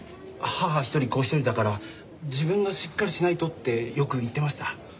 母一人子一人だから自分がしっかりしないとってよく言ってました。